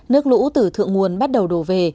nước lũ từ thượng nguồn bắt đầu đổ về